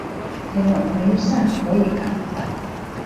结果没啥可以看